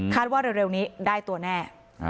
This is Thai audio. ว่าเร็วนี้ได้ตัวแน่